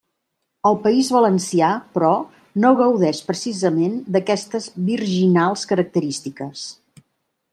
El País Valencià, però, no gaudeix precisament d'aquestes «virginals» característiques.